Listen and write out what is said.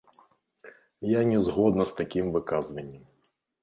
Я не згодна з такім выказваннем.